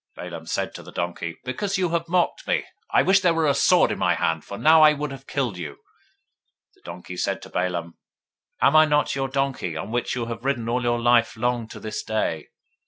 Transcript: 022:029 Balaam said to the donkey, Because you have mocked me, I would there were a sword in my hand, for now I had killed you. 022:030 The donkey said to Balaam, Am I not your donkey, on which you have ridden all your life long to this day?